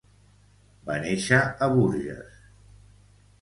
Va néixer a Bourges.